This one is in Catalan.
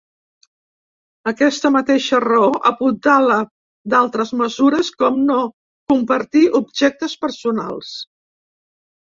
Aquesta mateixa raó apuntala d’altres mesures com no compartir objectes personals.